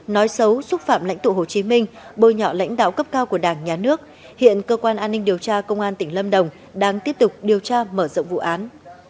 nói xấu xúc phạm lãnh tụ hồ chí minh bôi nhọ lãnh đạo cấp cao của đảng nhà nước hiện cơ quan an ninh điều tra công an tỉnh lâm đồng đang tiếp tục điều tra mở rộng vụ án